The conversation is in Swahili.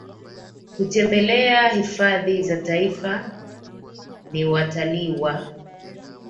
kutembelea hifadhi za Taifa ni watalii wa